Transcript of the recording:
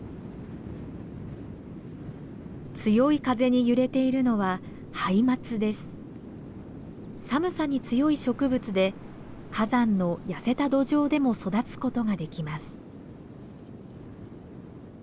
強い風に揺れているのは寒さに強い植物で火山の痩せた土壌でも育つことができます。